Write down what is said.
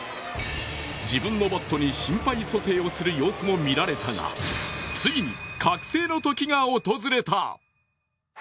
自分のバットに心肺蘇生をする様子も見られたがついに覚醒の時が訪れた。